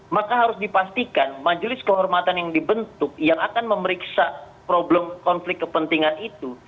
maka harus dipastikan majelis kehormatan yang dibentuk yang akan memeriksa problem konflik kepentingan itu